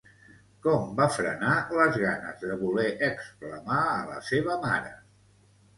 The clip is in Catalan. Com va frenar les ganes de voler exclamar a la seva mare?